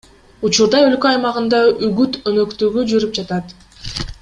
Учурда өлкө аймагында үгүт өнөктүгү жүрүп жатат.